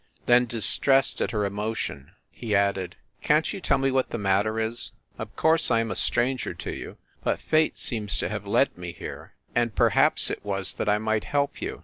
Then, distressed at her emotion, he added : "Can t you tell me what the matter is? Of course I am a stranger to you, but Fate seems to have led me here, and perhaps it was that I might help you.